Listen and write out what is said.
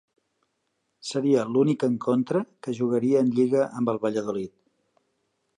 Seria l'únic encontre que jugaria en lliga amb el Valladolid.